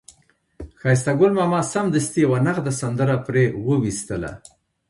ښایسته ګل ماما سمدستي یوه نغده سندره پرې وویستله.